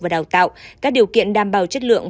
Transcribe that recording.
và đào tạo các điều kiện đảm bảo chất lượng